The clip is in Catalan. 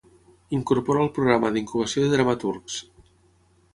Incorpora el Programa d'Incubació de Dramaturgs.